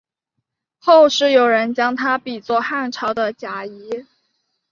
后世有人将他比作汉朝的贾谊。